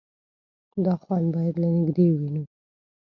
_دا خوند بايد له نږدې ووينو.